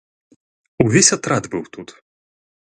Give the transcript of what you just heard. Увесь атрад быў тут.